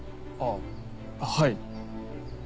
ああはい。